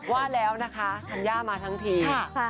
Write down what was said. ว่าแล้วนะคะธัญญามาทั้งที